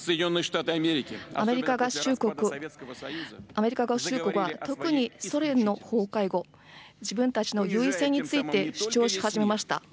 アメリカ合衆国、特にソ連の崩壊後、自分たちの優位性について主張し始めました。